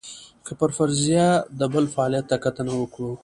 که پر فرضیه د بل فعالیت ته کتنه وکړو.